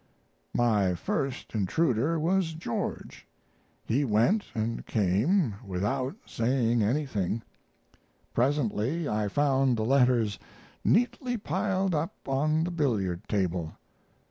My first intruder was George. He went and came without saying anything. Presently I found the letters neatly piled up on the billiard table.